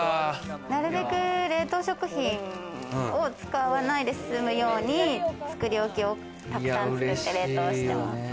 なるべく冷凍食品を使わないで済むように作り置きを沢山作って冷凍してます。